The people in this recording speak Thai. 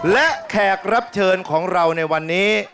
และแขกรับเชิญของเราในวันนี้